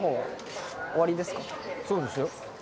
そうですよ。